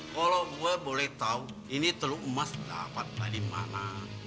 kalau gue boleh tahu ini telur emas dapat dari mana